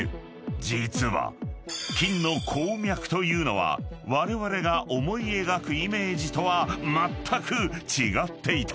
［実は金の鉱脈というのはわれわれが思い描くイメージとはまったく違っていた］